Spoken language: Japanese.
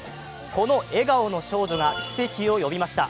この笑顔の少女が奇跡を呼びました。